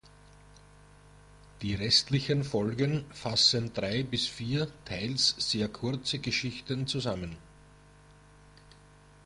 Die restlichen Folgen fassen drei bis vier teils sehr kurze Geschichten zusammen.